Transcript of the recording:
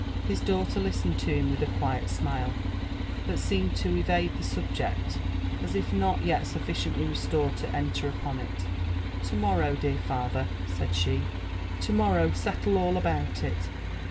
His daughter listened to him with a quiet smile, but seemed to evade the subject, as if notyet sufficiently restored to enter upon it. ''To morrow, dear father,'' said she, — y to morrow settle all about it.